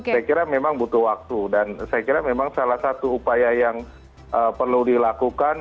saya kira memang butuh waktu dan saya kira memang salah satu upaya yang perlu dilakukan